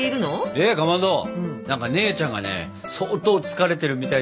えっかまど何か姉ちゃんがね相当疲れてるみたいでね。